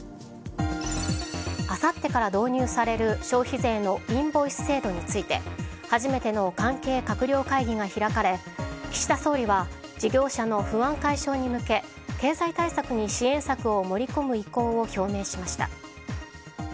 あさってから導入される消費税のインボイス制度について初めての関係閣僚会議が開かれ岸田総理は事業者の不安解消に向け経済対策に支援策を盛り込む意向を表明しました。